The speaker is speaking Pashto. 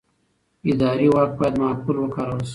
اداري واک باید معقول وکارول شي.